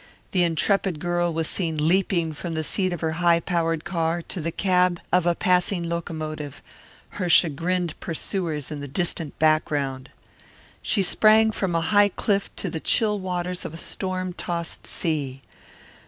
The intrepid girl was seen leaping from the seat of her high powered car to the cab of a passing locomotive, her chagrined pursuers in the distant background. She sprang from a high cliff into the chill waters of a storm tossed sea.